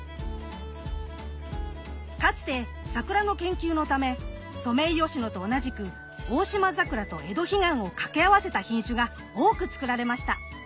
かつてサクラの研究のためソメイヨシノと同じくオオシマザクラとエドヒガンを掛け合わせた品種が多く作られました。